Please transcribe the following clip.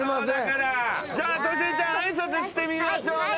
じゃあトシエちゃん挨拶してみましょうね。